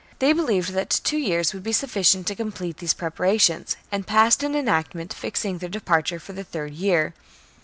They believed that two years would be sufficient to complete these pre parations, and passed an enactment fixing their departure for the third year.